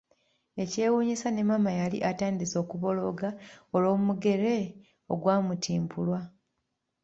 Ekyewuunyisa ne maama yali atandise okubolooga olw’omugere ogwamutimpulwa.